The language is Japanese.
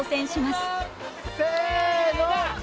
せの！